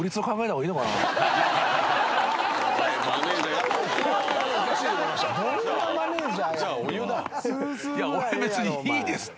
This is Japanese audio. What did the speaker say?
いや俺別にいいですって。